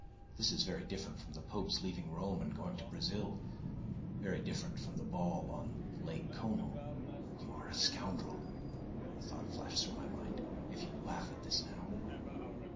"This is very different from the Pope's leaving Rome and going to Brazil, very different from the ball on Lake Como!" "You are a scoundrel," a thought flashed through my mind, "if you laugh at this now."